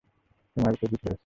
তোমারই তো জিত হয়েছে।